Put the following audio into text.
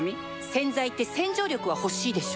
洗剤って洗浄力は欲しいでしょ